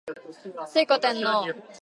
推古天皇